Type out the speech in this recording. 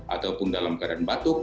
ataupun dalam keadaan batuk